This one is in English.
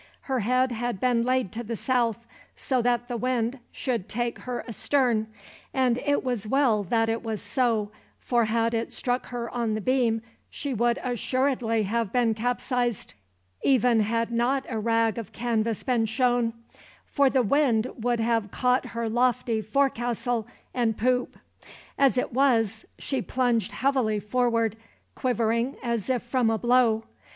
Her head had been laid to the south, so that the wind should take her astern; and it was well that it was so, for had it struck her on the beam, she would assuredly have been capsized, even had not a rag of canvas been shown, for the wind would have caught her lofty forecastle and poop. As it was she plunged heavily forward, quivering as if from a blow.